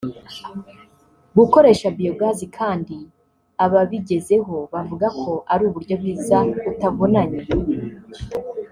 Gukoresha biyogazi kandi ababigezeho bavuga ko ari uburyo bwiza butavunanye